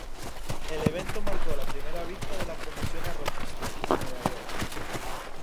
El evento marcó la primera visita de la promoción a Rochester, Nueva York.